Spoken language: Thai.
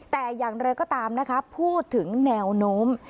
แต่อย่างไรก็ตามนะคะพูดถึงแนวโน้ม